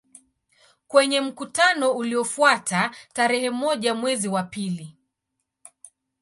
Kwenye mkutano uliofuata tarehe moja mwezi wa pili